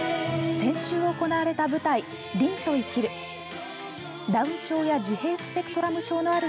先週行われた舞台「凛と生きる」。